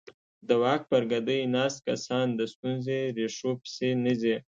د واک پر ګدۍ ناست کسان د ستونزې ریښو پسې نه ځي.